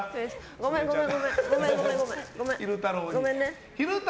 ごめんごめん。